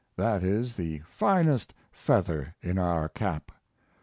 That is the finest feather in our cap.